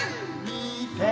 「みて」